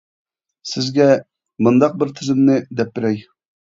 سىزگە مۇنداق بىر تۈزۈمنى دەپ بېرەي.